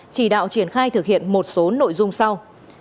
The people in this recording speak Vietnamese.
chỉ đạo triển khai thực hiện một số nội dung sau